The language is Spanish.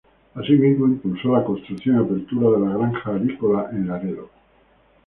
Asimismo, impulsó la construcción y apertura de la Granja Avícola en Laredo.